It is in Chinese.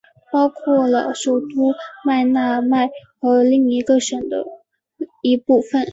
包括了首都麦纳麦和另一个市的一部份。